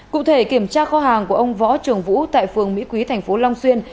cụ thể kiểm tra kho hàng của ông võ trường vũ tại phường mỹ quý thành phố long xuyên